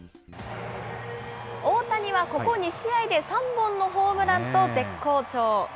大谷はここ２試合で３本のホームランと、絶好調。